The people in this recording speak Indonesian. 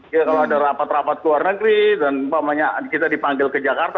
ya kalau ada rapat rapat ke luar negeri dan kita dipanggil ke jakarta